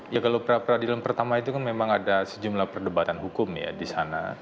ya kalau pra peradilan pertama itu kan memang ada sejumlah perdebatan hukum ya di sana